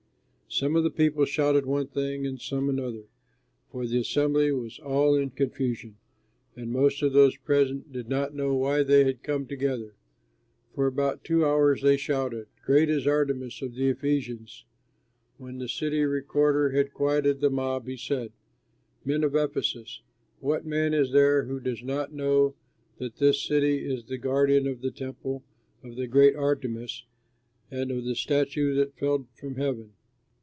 Some of the people shouted one thing and some another, for the assembly was all in confusion, and most of those present did not know why they had come together. For about two hours they shouted, "Great is Artemis of the Ephesians!" When the city recorder had quieted the mob, he said: "Men of Ephesus, what man is there who does not know that this city is the guardian of the temple of the great Artemis and of the statue that fell from heaven?